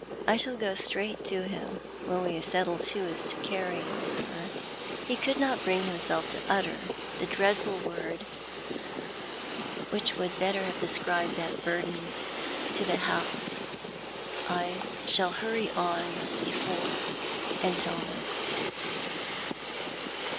I shall go straight to him, when we have settled who is to carry — her "— he could not bring him self to utter the dreadful word which would better have de scribed that burden —" to the house. I shall hurry on before and tell him."